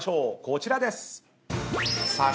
こちらです！